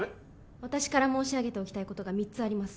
私から申し上げておきたいことが３つあります